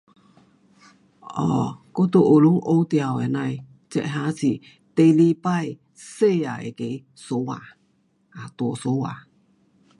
哦，我在学堂学到的那呐的这哈是第二次世界那个相打。啊，大相打。